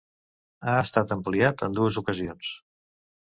Ha estat ampliat en dues ocasions.